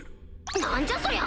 何じゃそりゃ！